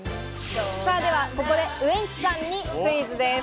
ここでウエンツさんにクイズです。